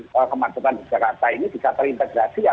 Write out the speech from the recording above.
penanganan kemacetan di jakarta ini bisa terintegrasi antara